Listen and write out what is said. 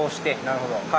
なるほど。